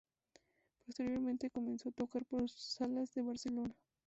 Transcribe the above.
Posteriormente, comenzó a tocar por salas de Barcelona.